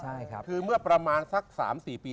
ใช่ครับคือเมื่อประมาณสัก๓๔ปี